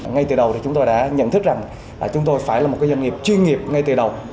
ngay từ đầu thì chúng tôi đã nhận thức rằng chúng tôi phải là một doanh nghiệp chuyên nghiệp ngay từ đầu